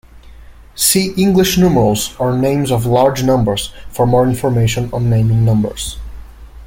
See English numerals or names of large numbers for more information on naming numbers.